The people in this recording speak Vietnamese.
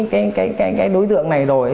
cái đối tượng này rồi